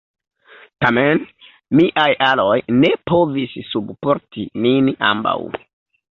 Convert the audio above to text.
Tamen, miaj aloj ne povis subporti nin ambaŭ.